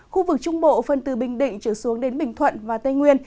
khu vực trung bộ phân từ bình định trở xuống đến bình thuận và tây nguyên